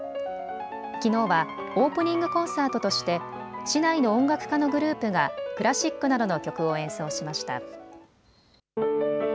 きのうはオープニングコンサートとして市内の音楽家のグループがクラシックなどの曲を演奏しました。